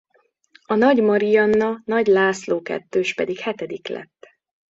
A Nagy Marianna–Nagy László-kettős pedig hetedik lett.